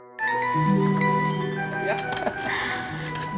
tidak saya mau pergi